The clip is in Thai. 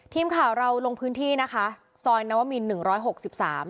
ทีมข่าวเราลงพื้นที่นะคะซอยนวมินหนึ่งร้อยหกสิบสาม